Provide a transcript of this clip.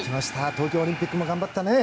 東京オリンピックも頑張ったね。